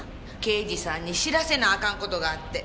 刑事さんに知らせなあかん事があって。